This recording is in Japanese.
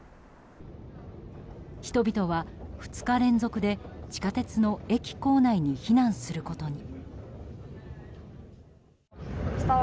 人々は２日連続で、地下鉄の駅構内に避難することに。